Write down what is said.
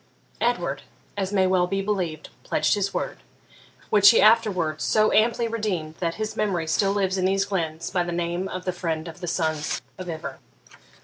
Edward, as may well be believed, pledged his word; which he afterwards so amply redeemed that his memory still lives in these glens by the name of the Friend of the Sons of Ivor.